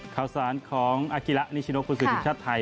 ข่าวสารของอากิละนิชินกุศิชาติไทย